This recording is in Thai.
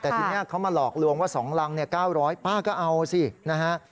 แต่ทีนี้เขามาหลอกลวงว่า๒รัง๙๐๐ป้าก็เอาสินะฮะ